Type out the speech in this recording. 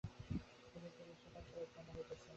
প্রকৃতি হইতে বিশ্বসংসার উৎপন্ন হইতেছে।